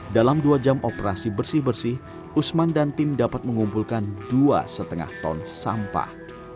dalam dua jam operasi bersih bersih usman dan tim dapat mengumpulkan dua lima ton sampah